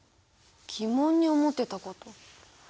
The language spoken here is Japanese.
疑問に思ってたこと？